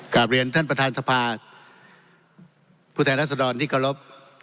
กลับเรียนท่านประธานสภาผู้แทนรัศดรที่เคารพ